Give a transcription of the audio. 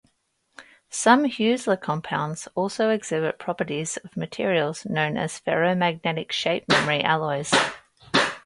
Some Heusler compounds also exhibit properties of materials known as ferromagnetic shape-memory alloys.